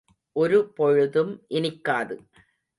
ஒரு பொழுதும் இனிக்காது.